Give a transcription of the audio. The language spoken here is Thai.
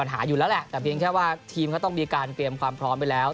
แต่เป็นแค่ว่าทีมก็ต้องมีการเตรียมความพร้อมไปแล้ว